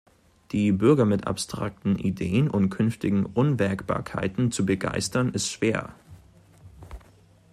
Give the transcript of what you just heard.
Die Bürger mit abstrakten Ideen und künftigen Unwägbarkeiten zu begeistern ist schwer.